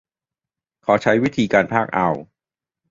เขาใช้วิธีการพากย์เอา